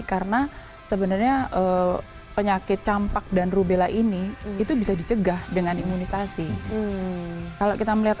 karena sebenarnya penyakit campak dan rubella ini itu bisa dicegah dengan emunisasi kalau kita melihat